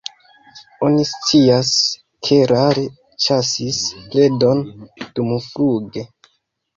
Oni scias, ke rare ĉasis predon dumfluge.